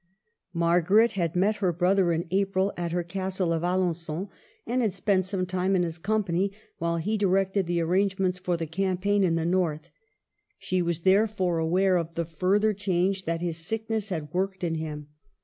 Margaret had met her brother in April at her Castle of Alengon, and had spent some time in his company, while he directed the arrangements for the campaign in the North. She was there fore aware of the further change that his sick ness had worked in him.